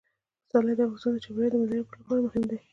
پسرلی د افغانستان د چاپیریال د مدیریت لپاره مهم دي.